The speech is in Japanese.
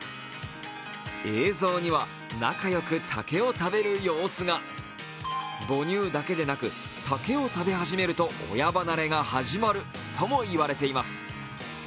映像には、仲よく竹を食べる様子が母乳だけでなく、竹を食べ始めると親離れが始まるとも言われています。